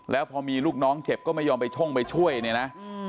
แล้วพอมีลูกน้องเจ็บก็ไม่ยอมไปช่งไปช่วยเนี่ยนะ